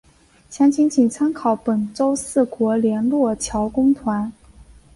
详细请参考本州四国联络桥公团。